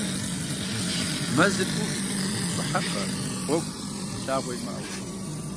Мэзыр ӏувт, щӏыхьэпӏэ, гъуэгу, лъагъуэ имыӏэу.